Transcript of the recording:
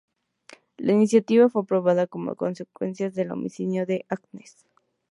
La iniciativa fue aprobada como consecuencia del homicidio de Agnes.